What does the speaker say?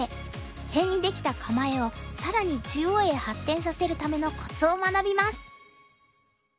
辺にできた構えを更に中央へ発展させるためのコツを学びます。